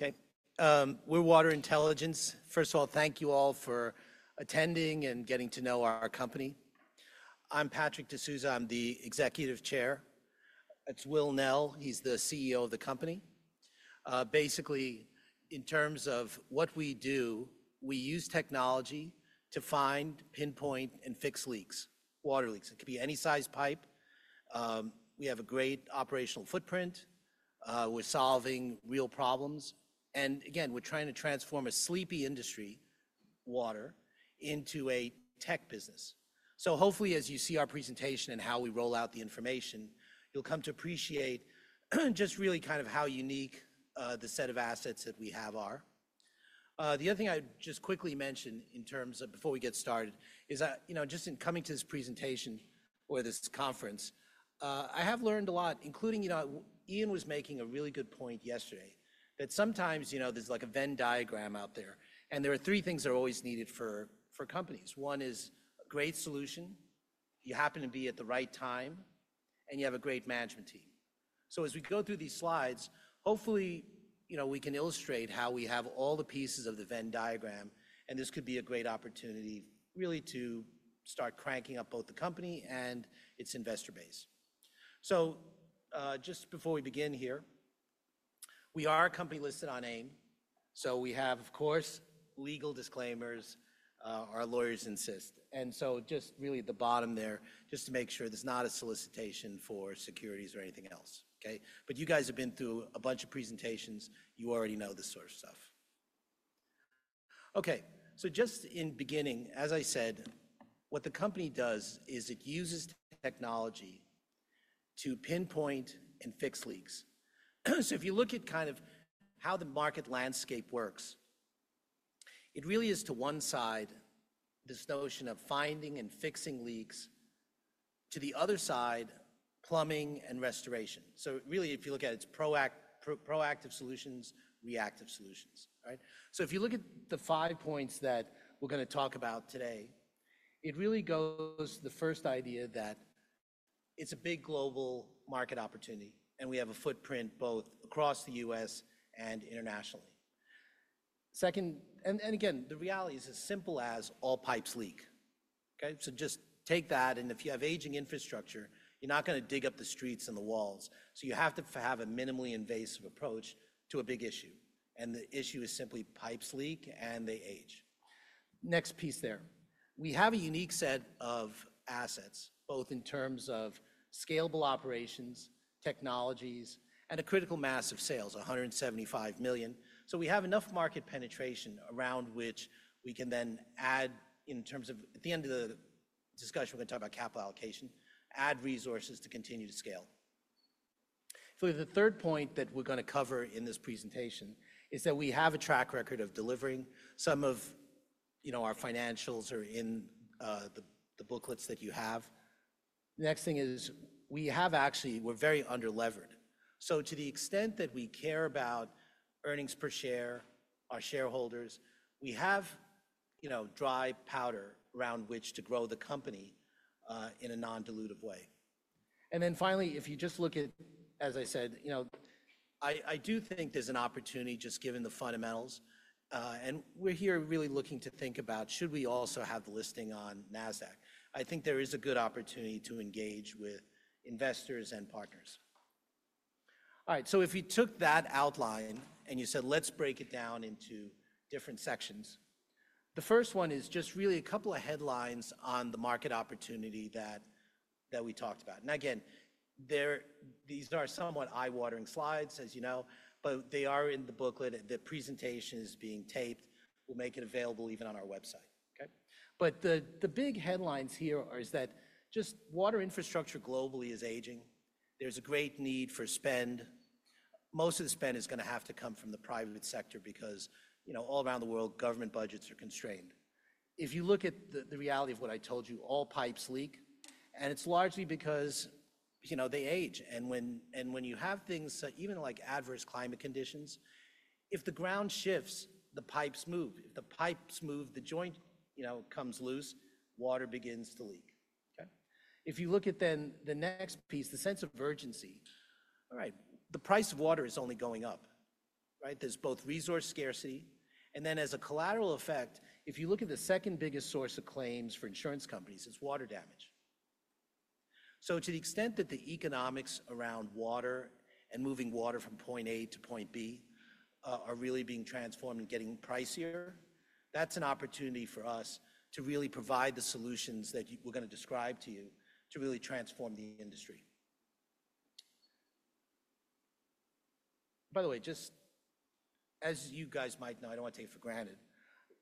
Okay. We're Water Intelligence. First of all, thank you all for attending and getting to know our company. I'm Patrick DeSouza, I'm the Executive Chair. That's Will Nell, he's the CEO of the company. Basically, in terms of what we do, we use technology to find, pinpoint, and fix leaks, water leaks. It could be any size pipe. We have a great operational footprint. We're solving real problems. Again, we're trying to transform a sleepy industry, water, into a tech business. Hopefully, as you see our presentation and how we roll out the information, you'll come to appreciate just really kind of how unique the set of assets that we have are. The other thing I'd just quickly mention in terms of before we get started is, you know, just in coming to this presentation or this conference, I have learned a lot, including, you know, Ian was making a really good point yesterday, that sometimes, you know, there's like a Venn diagram out there, and there are three things that are always needed for companies. One is a great solution, you happen to be at the right time, and you have a great management team. As we go through these slides, hopefully, you know, we can illustrate how we have all the pieces of the Venn diagram, and this could be a great opportunity really to start cranking up both the company and its investor base. Just before we begin here, we are a company listed on AIM, so we have, of course, legal disclaimers, our lawyers insist. Just really at the bottom there, just to make sure there's not a solicitation for securities or anything else, okay? You guys have been through a bunch of presentations, you already know this sort of stuff. Just in beginning, as I said, what the company does is it uses technology to pinpoint and fix leaks. If you look at kind of how the market landscape works, it really is to one side this notion of finding and fixing leaks, to the other side, plumbing and restoration. Really, if you look at it, it's proactive solutions, reactive solutions, right? If you look at the five points that we're going to talk about today, it really goes to the first idea that it's a big global market opportunity, and we have a footprint both across the U.S. and internationally. Second, again, the reality is as simple as all pipes leak, okay? Just take that, and if you have aging infrastructure, you're not going to dig up the streets and the walls. You have to have a minimally invasive approach to a big issue. The issue is simply pipes leak, and they age. Next piece there, we have a unique set of assets, both in terms of scalable operations, technologies, and a critical mass of sales, $175 million. We have enough market penetration around which we can then add, in terms of at the end of the discussion, we're going to talk about capital allocation, add resources to continue to scale. The third point that we're going to cover in this presentation is that we have a track record of delivering. Some of, you know, our financials are in the booklets that you have. The next thing is we have actually, we're very under-levered. To the extent that we care about earnings per share, our shareholders, we have, you know, dry powder around which to grow the company in a non-dilutive way. Finally, if you just look at, as I said, you know, I do think there's an opportunity just given the fundamentals. We're here really looking to think about, should we also have the listing on NASDAQ? I think there is a good opportunity to engage with investors and partners. All right, if we took that outline and you said, let's break it down into different sections, the first one is just really a couple of headlines on the market opportunity that we talked about. These are somewhat eye-watering slides, as you know, but they are in the booklet. The presentation is being taped. We will make it available even on our website, okay? The big headlines here are that just water infrastructure globally is aging. There is a great need for spend. Most of the spend is going to have to come from the private sector because, you know, all around the world, government budgets are constrained. If you look at the reality of what I told you, all pipes leak, and it is largely because, you know, they age. When you have things that even like adverse climate conditions, if the ground shifts, the pipes move. If the pipes move, the joint, you know, comes loose, water begins to leak, okay? If you look at then the next piece, the sense of urgency, all right, the price of water is only going up, right? There's both resource scarcity, and then as a collateral effect, if you look at the second biggest source of claims for insurance companies, it's water damage. To the extent that the economics around water and moving water from point A to point B are really being transformed and getting pricier, that's an opportunity for us to really provide the solutions that we're going to describe to you to really transform the industry. By the way, just as you guys might know, I don't want to take it for granted,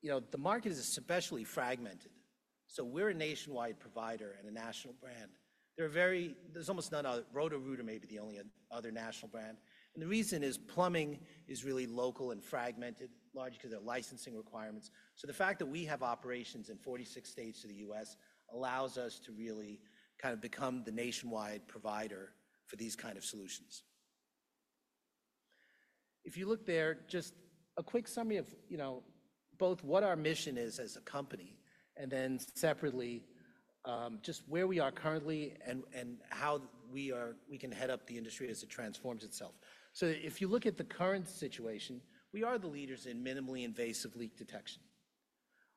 you know, the market is especially fragmented. We're a nationwide provider and a national brand. There are very, there's almost none other, Roto-Rooter may be the only other national brand. The reason is plumbing is really local and fragmented, largely because of their licensing requirements. The fact that we have operations in 46 states of the U.S. allows us to really kind of become the nationwide provider for these kinds of solutions. If you look there, just a quick summary of, you know, both what our mission is as a company, and then separately just where we are currently and how we are, we can head up the industry as it transforms itself. If you look at the current situation, we are the leaders in minimally invasive leak detection.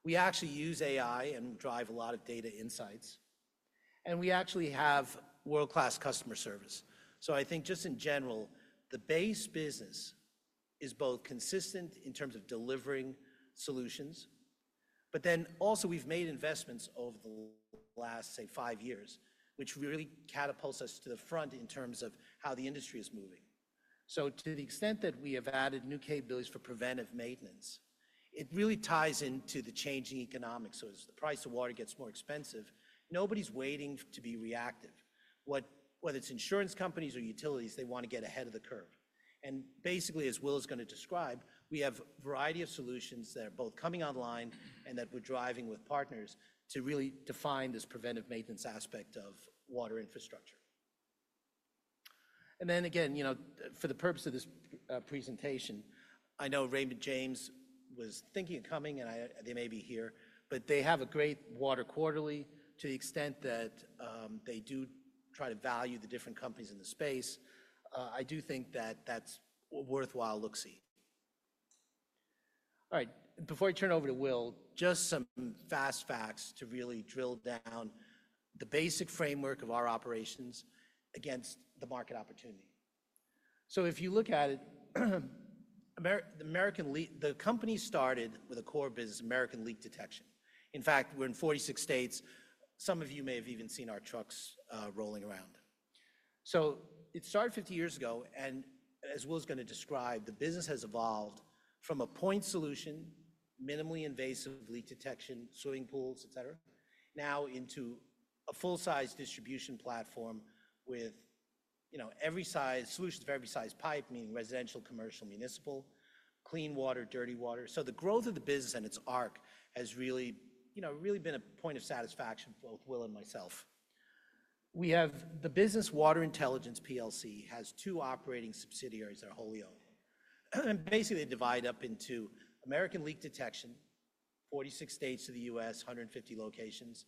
We actually use AI and drive a lot of data insights. We actually have world-class customer service. I think just in general, the base business is both consistent in terms of delivering solutions, but then also we've made investments over the last, say, five years, which really catapults us to the front in terms of how the industry is moving. To the extent that we have added new capabilities for preventive maintenance, it really ties into the changing economics. As the price of water gets more expensive, nobody's waiting to be reactive. Whether it's insurance companies or utilities, they want to get ahead of the curve. Basically, as Will is going to describe, we have a variety of solutions that are both coming online and that we're driving with partners to really define this preventive maintenance aspect of water infrastructure. Then again, you know, for the purpose of this presentation, I know Raymond James was thinking of coming and they may be here, but they have a great water quarterly to the extent that they do try to value the different companies in the space. I do think that that's worthwhile look-see. All right, before I turn over to Will, just some fast facts to really drill down the basic framework of our operations against the market opportunity. If you look at it, the company started with a core business, American Leak Detection. In fact, we're in 46 states. Some of you may have even seen our trucks rolling around. It started 50 years ago, and as Will is going to describe, the business has evolved from a point solution, minimally invasive leak detection, swimming pools, et cetera, now into a full-size distribution platform with, you know, solutions for every size pipe, meaning residential, commercial, municipal, clean water, dirty water. The growth of the business and its arc has really, you know, really been a point of satisfaction for both Will and myself. We have the business Water Intelligence PLC has two operating subsidiaries that are wholly owned. Basically they divide up into American Leak Detection, 46 states of the U.S., 150 locations,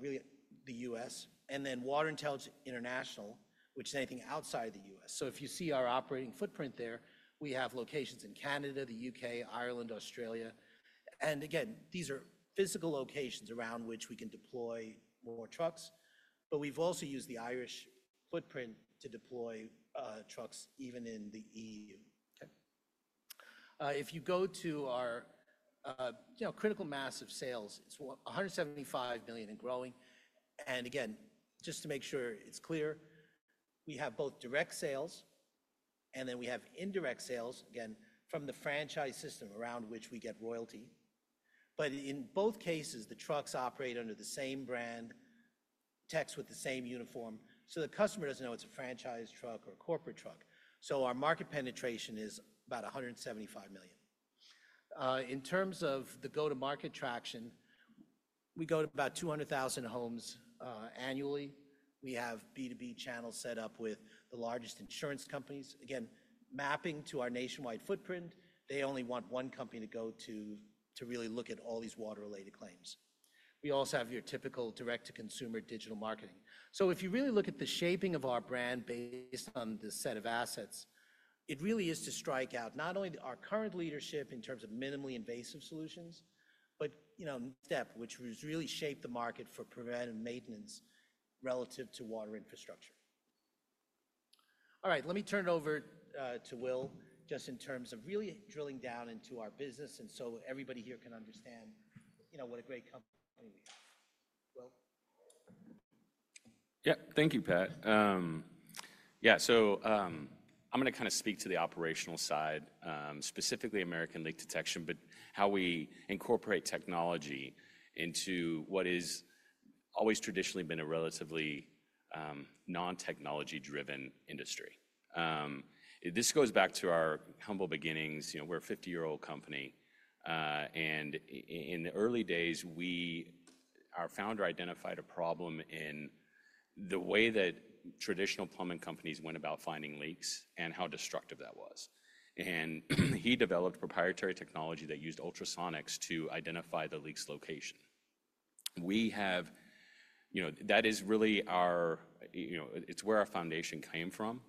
really the U.S., and then Water Intelligence International, which is anything outside of the U.S. If you see our operating footprint there, we have locations in Canada, the U.K., Ireland, Australia. These are physical locations around which we can deploy more trucks, but we've also used the Irish footprint to deploy trucks even in the European Union, okay? If you go to our, you know, critical mass of sales, it's $175 million and growing. Just to make sure it's clear, we have both direct sales and then we have indirect sales, again, from the franchise system around which we get royalty. In both cases, the trucks operate under the same brand, text with the same uniform. The customer doesn't know it's a franchise truck or a corporate truck. Our market penetration is about $175 million. In terms of the go-to-market traction, we go to about 200,000 homes annually. We have B2B channels set up with the largest insurance companies. Again, mapping to our nationwide footprint, they only want one company to go to really look at all these water-related claims. We also have your typical direct-to-consumer digital marketing. If you really look at the shaping of our brand based on the set of assets, it really is to strike out not only our current leadership in terms of minimally invasive solutions, but, you know, step which was really shaped the market for preventive maintenance relative to water infrastructure. All right, let me turn it over to Will just in terms of really drilling down into our business and so everybody here can understand, you know, what a great company we are. Will? Yeah, thank you, Pat. Yeah, I'm going to kind of speak to the operational side, specifically American Leak Detection, but how we incorporate technology into what has always traditionally been a relatively non-technology-driven industry. This goes back to our humble beginnings. You know, we're a 50-year-old company. In the early days, our founder identified a problem in the way that traditional plumbing companies went about finding leaks and how destructive that was. He developed proprietary technology that used ultrasonics to identify the leak's location. We have, you know, that is really our, you know, it's where our foundation came from.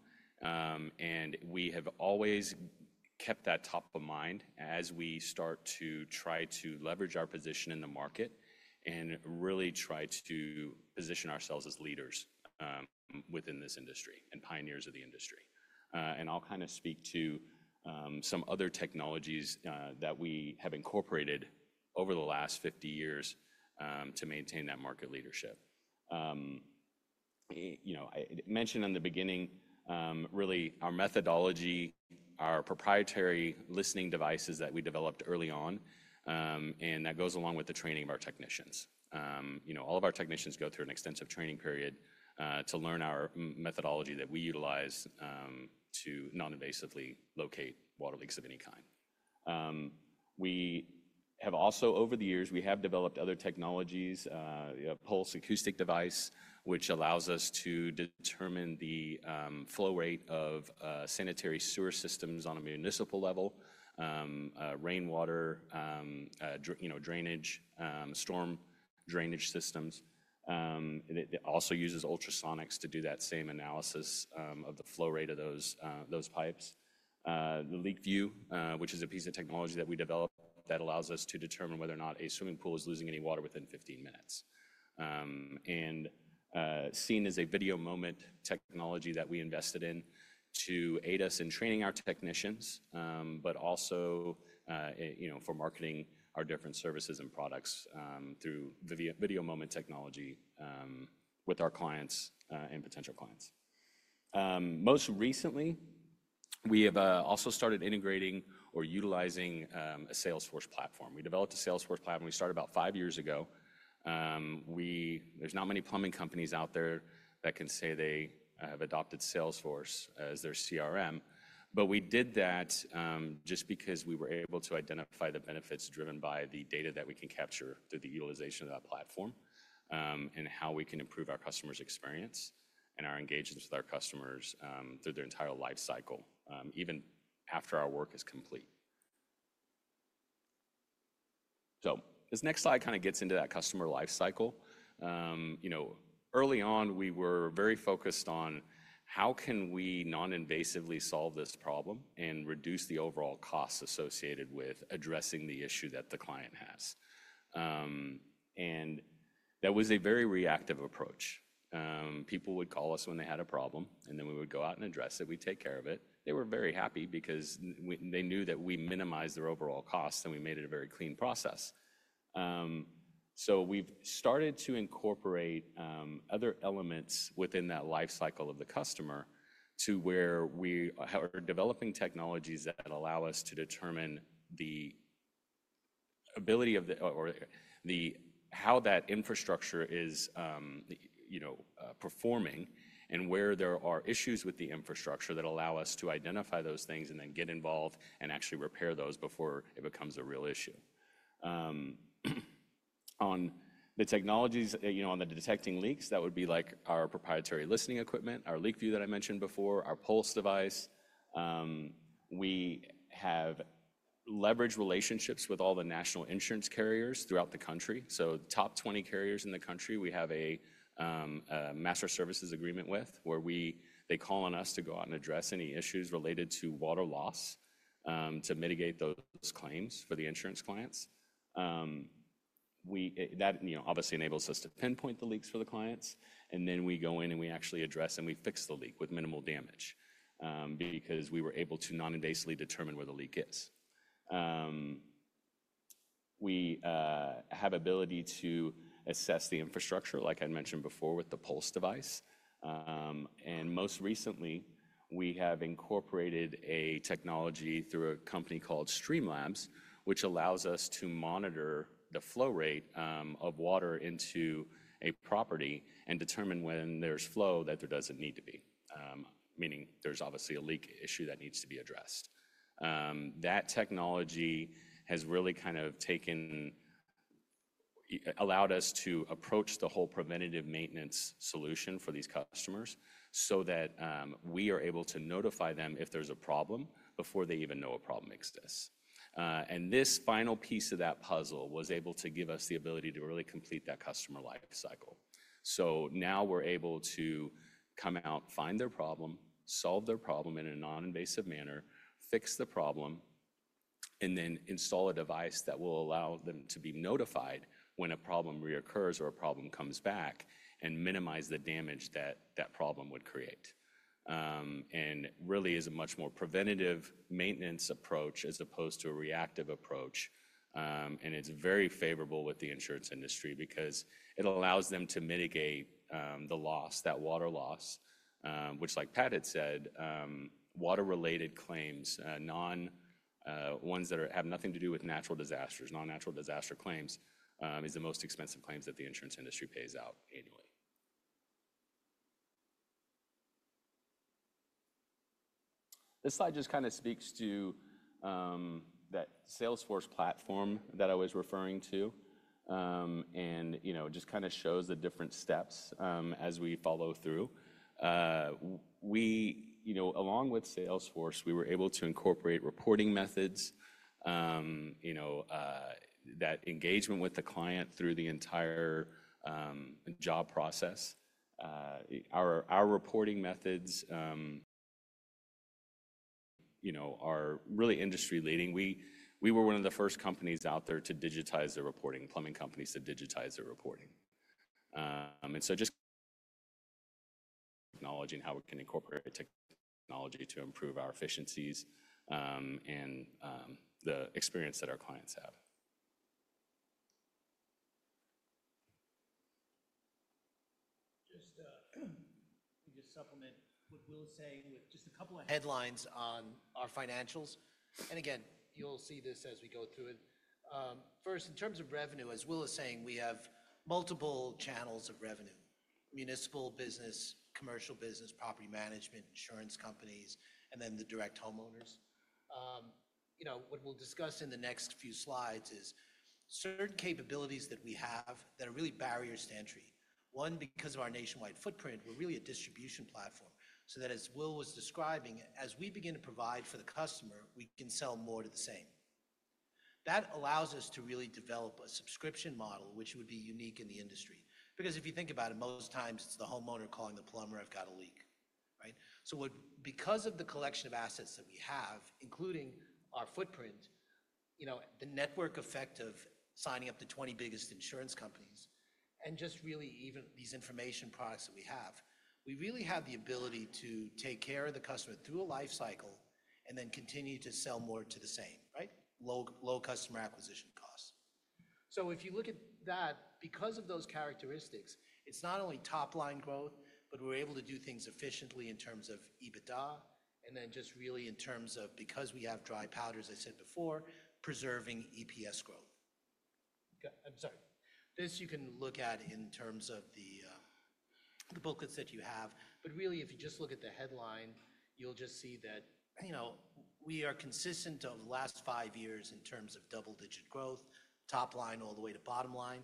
We have always kept that top of mind as we start to try to leverage our position in the market and really try to position ourselves as leaders within this industry and pioneers of the industry. I'll kind of speak to some other technologies that we have incorporated over the last 50 years to maintain that market leadership. You know, I mentioned in the beginning, really our methodology, our proprietary listening devices that we developed early on, and that goes along with the training of our technicians. You know, all of our technicians go through an extensive training period to learn our methodology that we utilize to non-invasively locate water leaks of any kind. We have also, over the years, developed other technologies. We have a pulse acoustic device, which allows us to determine the flow rate of sanitary sewer systems on a municipal level, rainwater, you know, drainage, storm drainage systems. It also uses ultrasonics to do that same analysis of the flow rate of those pipes. The Leak View, which is a piece of technology that we developed that allows us to determine whether or not a swimming pool is losing any water within 15 minutes. Seen as a Video Moment Technology that we invested in to aid us in training our technicians, but also, you know, for marketing our different services and products through Video Moment Technology with our clients and potential clients. Most recently, we have also started integrating or utilizing a Salesforce platform. We developed a Salesforce platform. We started about five years ago. There's not many plumbing companies out there that can say they have adopted Salesforce as their CRM, but we did that just because we were able to identify the benefits driven by the data that we can capture through the utilization of that platform and how we can improve our customers' experience and our engagements with our customers through their entire life cycle, even after our work is complete. This next slide kind of gets into that customer life cycle. You know, early on, we were very focused on how can we non-invasively solve this problem and reduce the overall costs associated with addressing the issue that the client has. That was a very reactive approach. People would call us when they had a problem, and then we would go out and address it. We'd take care of it. They were very happy because they knew that we minimized their overall costs and we made it a very clean process. We have started to incorporate other elements within that life cycle of the customer to where we are developing technologies that allow us to determine the ability of the, or the, how that infrastructure is, you know, performing and where there are issues with the infrastructure that allow us to identify those things and then get involved and actually repair those before it becomes a real issue. On the technologies, you know, on the detecting leaks, that would be like our proprietary listening equipment, our Leak View that I mentioned before, our Pulse Acoustic Device. We have leveraged relationships with all the national insurance carriers throughout the country. Top 20 carriers in the country, we have a master services agreement with where they call on us to go out and address any issues related to water loss to mitigate those claims for the insurance clients. That, you know, obviously enables us to pinpoint the leaks for the clients. And then we go in and we actually address and we fix the leak with minimal damage because we were able to non-invasively determine where the leak is. We have the ability to assess the infrastructure, like I mentioned before, with the Pulse Acoustic Device. Most recently, we have incorporated a technology through a company called Streamlabs, which allows us to monitor the flow rate of water into a property and determine when there's flow that there doesn't need to be, meaning there's obviously a leak issue that needs to be addressed. That technology has really kind of taken, allowed us to approach the whole preventive maintenance solution for these customers so that we are able to notify them if there's a problem before they even know a problem exists. This final piece of that puzzle was able to give us the ability to really complete that customer life cycle. Now we're able to come out, find their problem, solve their problem in a non-invasive manner, fix the problem, and then install a device that will allow them to be notified when a problem reoccurs or a problem comes back and minimize the damage that that problem would create. It really is a much more preventive maintenance approach as opposed to a reactive approach. It is very favorable with the insurance industry because it allows them to mitigate the loss, that water loss, which, like Pat had said, water-related claims, ones that have nothing to do with natural disasters, non-natural disaster claims, is the most expensive claims that the insurance industry pays out annually. This slide just kind of speaks to that Salesforce platform that I was referring to. You know, it just kind of shows the different steps as we follow through. We, you know, along with Salesforce, were able to incorporate reporting methods, you know, that engagement with the client through the entire job process. Our reporting methods, you know, are really industry-leading. We were one of the first companies out there to digitize their reporting, plumbing companies to digitize their reporting. Just acknowledging how we can incorporate technology to improve our efficiencies and the experience that our clients have. Just to supplement what Will is saying with just a couple of headlines on our financials. Again, you'll see this as we go through it. First, in terms of revenue, as Will is saying, we have multiple channels of revenue: municipal business, commercial business, property management, insurance companies, and then the direct homeowners. You know, what we'll discuss in the next few slides is certain capabilities that we have that are really barriers to entry. One, because of our nationwide footprint, we're really a distribution platform. That, as Will was describing, as we begin to provide for the customer, we can sell more to the same. That allows us to really develop a subscription model, which would be unique in the industry. Because if you think about it, most times it's the homeowner calling the plumber, "I've got a leak," right? Because of the collection of assets that we have, including our footprint, you know, the network effect of signing up the 20 biggest insurance companies and just really even these information products that we have, we really have the ability to take care of the customer through a life cycle and then continue to sell more to the same, right? Low customer acquisition costs. If you look at that, because of those characteristics, it's not only top-line growth, but we're able to do things efficiently in terms of EBITDA and then just really in terms of, because we have dry powders, as I said before, preserving EPS growth. I'm sorry. This you can look at in terms of the booklets that you have. If you just look at the headline, you'll just see that, you know, we are consistent over the last five years in terms of double-digit growth, top-line all the way to bottom line.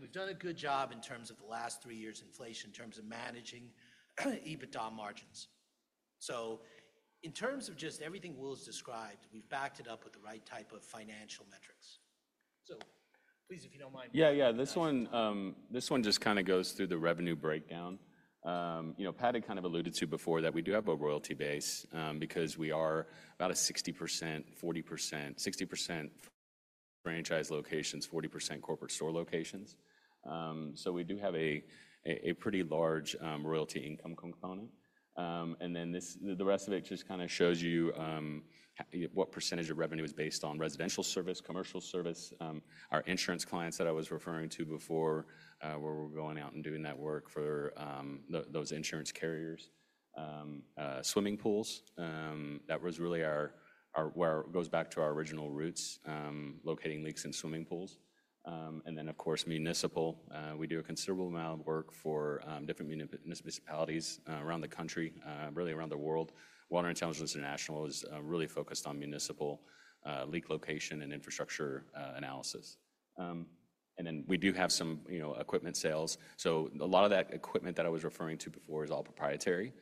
We've done a good job in terms of the last three years' inflation in terms of managing EBITDA margins. In terms of just everything Will has described, we've backed it up with the right type of financial metrics. Please, if you don't mind. Yeah, yeah, this one just kind of goes through the revenue breakdown. You know, Pat had kind of alluded to before that we do have a royalty base because we are about a 60%, 40%, 60% franchise locations, 40% corporate store locations. We do have a pretty large royalty income component. The rest of it just kind of shows you what percentage of revenue is based on residential service, commercial service, our insurance clients that I was referring to before where we're going out and doing that work for those insurance carriers, swimming pools. That was really our where it goes back to our original roots, locating leaks in swimming pools. Of course, municipal, we do a considerable amount of work for different municipalities around the country, really around the world. Water Intelligence International is really focused on municipal leak location and infrastructure analysis. We do have some, you know, equipment sales. A lot of that equipment that I was referring to before is all proprietary.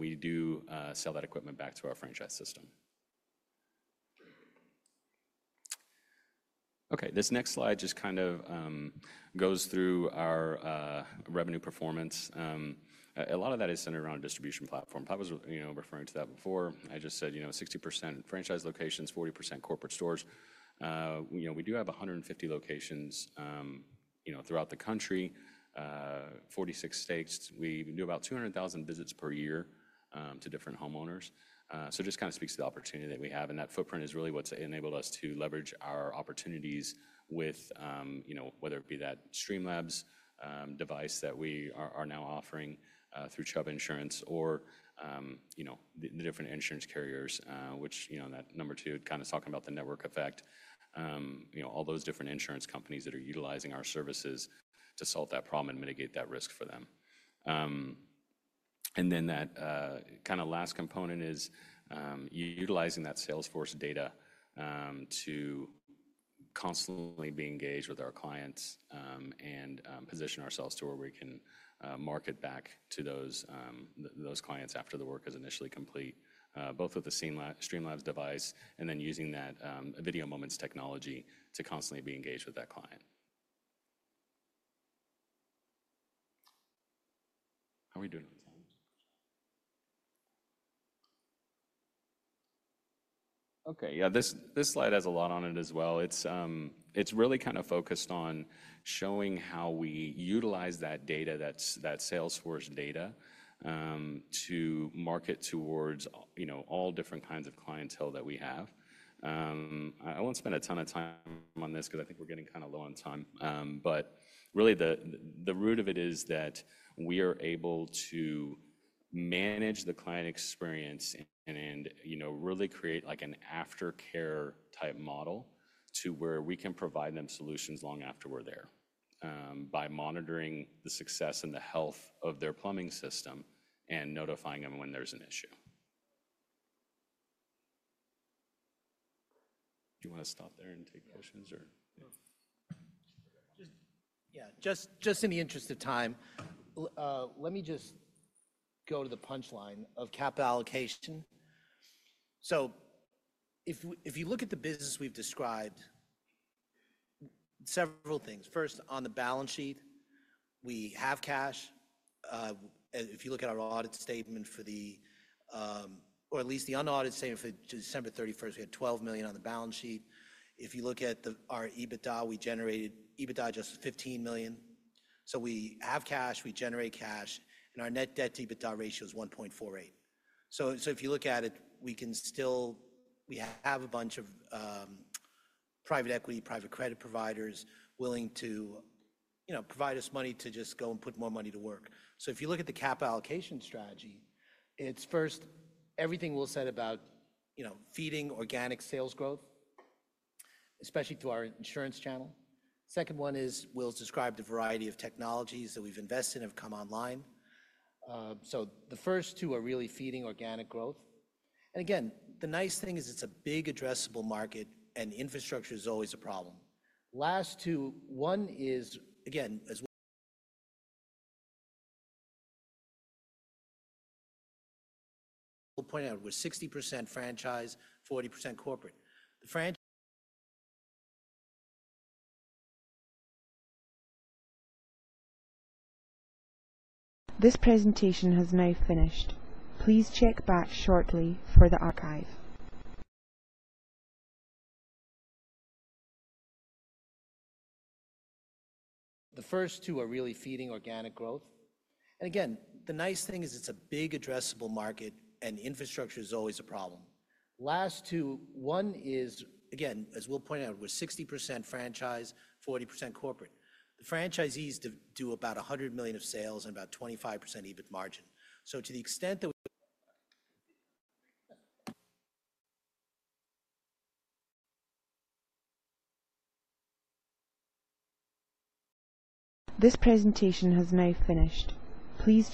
We do sell that equipment back to our franchise system. This next slide just kind of goes through our revenue performance. A lot of that is centered around a distribution platform. Pat was, you know, referring to that before. I just said, you know, 60% franchise locations, 40% corporate stores. You know, we do have 150 locations, you know, throughout the country, 46 states. We do about 200,000 visits per year to different homeowners. It just kind of speaks to the opportunity that we have. That footprint is really what's enabled us to leverage our opportunities with, you know, whether it be that Streamlabs device that we are now offering through Chubb Insurance or, you know, the different insurance carriers, which, you know, that number two kind of talking about the network effect, you know, all those different insurance companies that are utilizing our services to solve that problem and mitigate that risk for them. That kind of last component is utilizing that Salesforce data to constantly be engaged with our clients and position ourselves to where we can market back to those clients after the work is initially complete, both with the Streamlabs device and then using that Video Moment Technology to constantly be engaged with that client. How are we doing on time? Okay, yeah, this slide has a lot on it as well. It's really kind of focused on showing how we utilize that data, that Salesforce data to market towards, you know, all different kinds of clientele that we have. I won't spend a ton of time on this because I think we're getting kind of low on time. Really, the root of it is that we are able to manage the client experience and, you know, really create like an aftercare type model to where we can provide them solutions long after we're there by monitoring the success and the health of their plumbing system and notifying them when there's an issue. Do you want to stop there and take questions or? Just, yeah, just in the interest of time, let me just go to the punchline of capital allocation. If you look at the business we've described, several things. First, on the balance sheet, we have cash. If you look at our audit statement for the, or at least the unaudited statement for December 31, we had $12 million on the balance sheet. If you look at our EBITDA, we generated EBITDA just $15 million. We have cash, we generate cash, and our net debt to EBITDA ratio is 1.48. If you look at it, we can still, we have a bunch of private equity, private credit providers willing to, you know, provide us money to just go and put more money to work. If you look at the capital allocation strategy, it's first, everything Will said about, you know, feeding organic sales growth, especially through our insurance channel. The second one is Will's described the variety of technologies that we've invested in have come online. The first two are really feeding organic growth. Again, the nice thing is it's a big addressable market and infrastructure is always a problem. The last two, one is, again, as Will pointed out, we're 60% franchise, 40% corporate. The franchise. This presentation has now finished. Please check back shortly for the archive. The first two are really feeding organic growth. Again, the nice thing is it's a big addressable market and infrastructure is always a problem. The last two, one is, again, as Will pointed out, we're 60% franchise, 40% corporate. The franchisees do about $100 million of sales and about 25% EBIT margin. To the extent that. This presentation has now finished. Please.